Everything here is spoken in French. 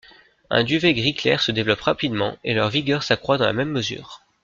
Un duvet gris-clair se développe rapidement et leur vigueur s'accroît dans la même mesure.